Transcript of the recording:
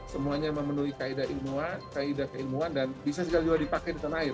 semuanya memenuhi kaedah ilmuwan dan bisa juga dipakai di tanah air